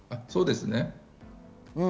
そうですね。